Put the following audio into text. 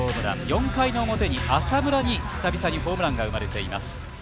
４回の表に浅村に久々にホームランが生まれています。